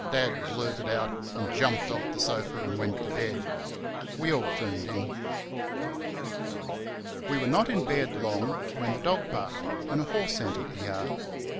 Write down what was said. Dad blurted out, and jumped off the sofa and went to bed. We all turned in. We were not in bed long when the dog barked and a horse entered the yard.